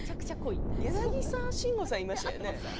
柳沢慎吾さん、いましたよね？